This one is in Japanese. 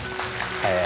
え